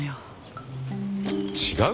違う？